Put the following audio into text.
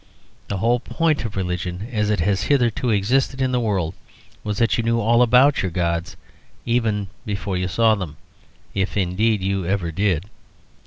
The whole point of religion as it has hitherto existed in the world was that you knew all about your gods, even before you saw them, if indeed you ever did.